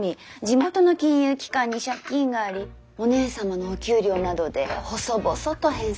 地元の金融機関に借金がありお姉様のお給料などで細々と返済されている。